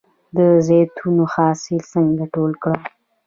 د زیتون حاصل څنګه ټول کړم؟